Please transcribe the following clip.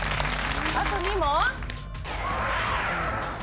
あと２問？